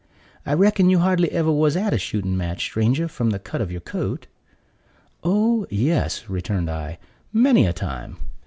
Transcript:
I reckon you hardly ever was at a shooting match, stranger, from the cut of your coat?" "Oh, yes," returned I, "many a time.